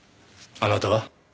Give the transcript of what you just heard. あなたは？